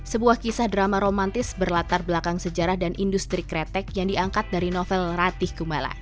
sebuah kisah drama romantis berlatar belakang sejarah dan industri kretek yang diangkat dari novel ratih kumala